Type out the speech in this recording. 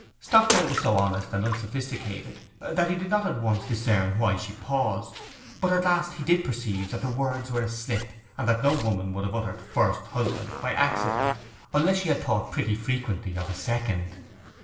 Stockdale was so honest and unsophisticated that he did not at once discern why she paused: but at last he did perceive that the words were a slip, and that no woman would have uttered 'first husband' by accident unless she had thought pretty frequently of a second.